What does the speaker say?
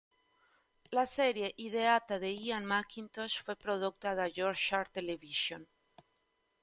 La serie, ideata da Ian MacKintosh, fu prodotta da Yorkshire Television.